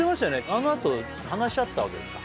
あのあと話し合ったわけですか？